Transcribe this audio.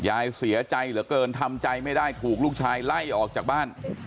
ยายเสียใจเหลือเกินทำใจไม่ได้ถูกลูกชายไล่ออกจากบ้าน